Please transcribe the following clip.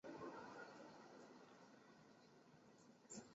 它亦是一种早期的自动步枪。